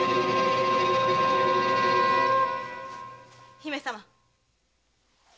姫様。